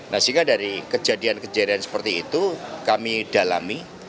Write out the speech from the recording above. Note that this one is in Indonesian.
nah sehingga dari kejadian kejadian seperti itu kami dalami